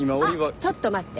あっちょっと待って。